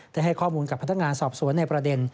ให้ข้อมูลกับพนักงานสอบสวนในประเด็น